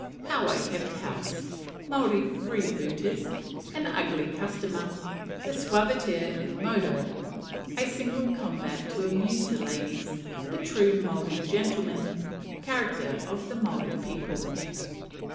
How I kept House. Maori Freebooters. An Ugly Customer. The "Suaviter in Modo." A Single Combat to amuse the Ladies. The true Maori Gentleman. Character of the Maori People.